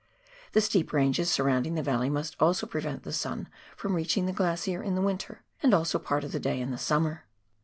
The steep ranges sur rounding the valley must also prevent the sun from reaching the glacier in the winter and also part of the day in the summer.